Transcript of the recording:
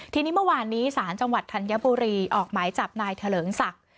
ทีนี้เมื่อวานนี้ศาลจังหวัดธัญบุรีออกหมายจับนายเถลิงศักดิ์